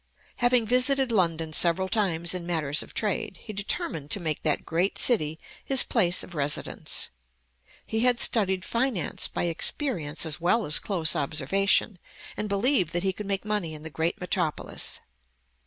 Having visited London several times in matters of trade, he determined to make that great city his place of residence. He had studied finance by experience as well as close observation, and believed that he could make money in the great metropolis.